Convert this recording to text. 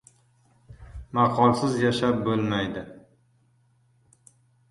• Maqolsiz yashab bo‘lmaydi.